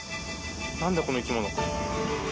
なんだ、この生き物。